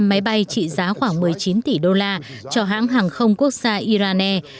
ebs đã bán một trăm linh máy bay trị giá khoảng một mươi chín tỷ đô la cho hãng hàng không quốc gia iran air